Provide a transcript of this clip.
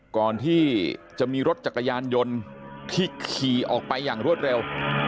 ก่อนที่จะมีรถจักรยานยนต์ที่ขี่ออกไปอย่างรวดเร็ว